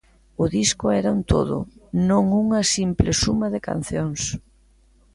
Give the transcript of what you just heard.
O disco era un todo, non unha simple suma de cancións.